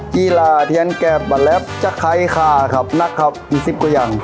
กีฬาเทียนแกบบัลแรปชะไครคาครับนักครับมีสิบกว่ายัง